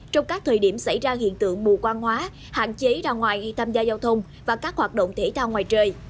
trong các thời điểm xảy ra hiện tượng mù quan hóa hạn chế ra ngoài khi tham gia giao thông và các hoạt động thể thao ngoài trời